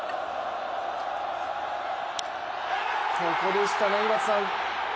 ここでしたね、井端さん。